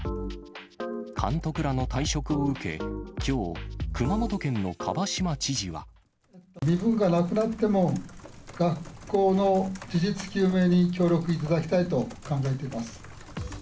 監督らの退職を受け、きょう、身分がなくなっても、学校の事実究明に協力いただきたいと考えています。